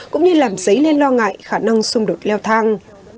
cũng như làm dấy lên lo ngại khả năng xung đột leo thang